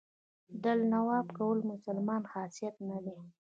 دله توب کول د مسلمان خاصیت نه دی.